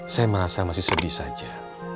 saya merasa masih sedih saja